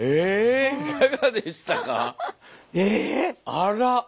あら！